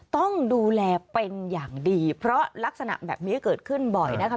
ต้องดูแลเป็นอย่างดีเพราะลักษณะแบบนี้เกิดขึ้นบ่อยนะคะ